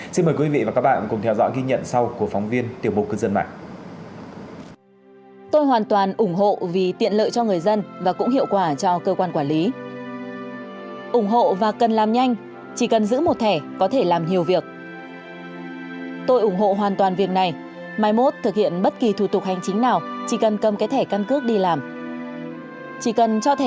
xin mời quý vị và các bạn cùng theo dõi ghi nhận sau của phóng viên tiểu bộ cư dân mạng